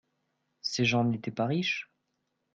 Ces gens n'étaient pas riches ?